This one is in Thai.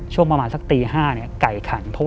ช่วงประมาณสักตี๕ไก่ขัน